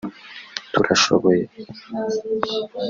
Turashoboye